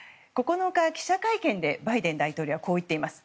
９日、記者会見でバイデン大統領こう言っています。